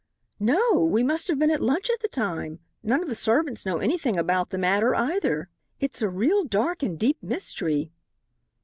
"No, we must have been at lunch at the time. None of the servants know anything about the matter, either. It's a real, dark and deep mystery."